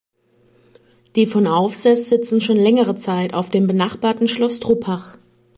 Die von Aufseß sitzen schon längere Zeit auf dem benachbarten Schloss Truppach.